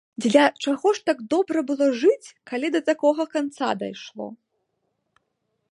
Дзеля чаго ж так добра было жыць, калі да такога канца дайшло?